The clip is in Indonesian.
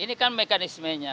ini kan mekanismenya